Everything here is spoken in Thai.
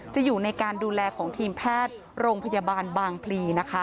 อยู่ในการดูแลของทีมแพทย์โรงพยาบาลบางพลีนะคะ